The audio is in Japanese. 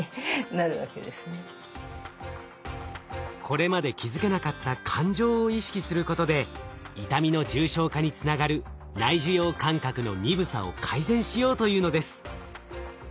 これまで気づけなかった感情を意識することで痛みの重症化につながる内受容感覚の鈍さを改善しようというのです。